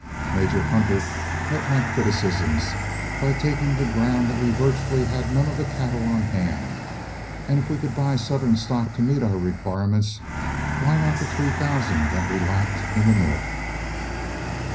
Major Hunter met my criticisms by taking the ground that we virtually had none of the cattle on hand, and if we could buy Southern stock to meet our requirements, why not the three thousand that we lacked in the North.